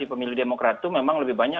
di pemilih demokrat itu memang lebih banyak